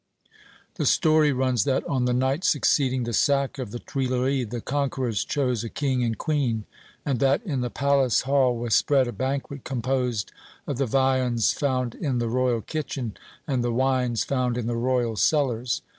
The story runs that, on the night succeeding the sack of the Tuileries, the conquerors chose a king and queen, and that, in the palace hall, was spread a banquet composed of the viands found in the Royal kitchen and the wines found in the Royal cellars.